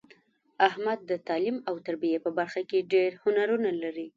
احمد د تعلیم او تربیې په برخه کې ډېر هنرونه لري.